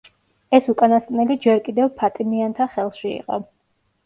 ეს უკანასკნელი ჯერ კიდევ ფატიმიანთა ხელში იყო.